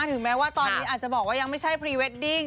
ถึงแม้ว่าตอนนี้อาจจะบอกว่ายังไม่ใช่พรีเวดดิ้ง